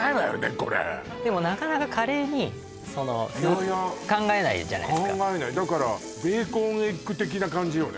これでもなかなかカレーにその考えないじゃないですかいやいや考えないだからベーコンエッグ的な感じよね？